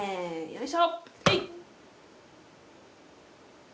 よいしょ！